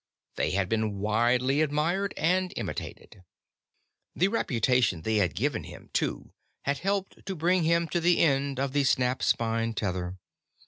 They had been widely admired and imitated. The reputation that they had given him, too, had helped to bring him to the end of the snap spine tether.